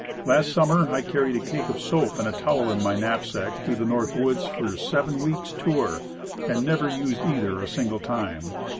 Last summer I carried a cake of soap and a towel in my knapsack through the North Woods for a seven weeks' tour, and never used either a single time.